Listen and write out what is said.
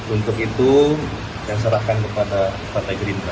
untuk itu saya serahkan kepada pak tegri rindu